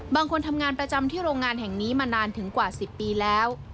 บางคนทำงานประจำที่โรงงานแห่งนี้มานานถึงกว่า๑๐ปีแล้ว